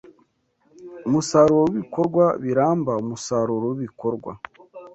umusaruro w’ibikorwa biramba, umusaruro w’ibikorwa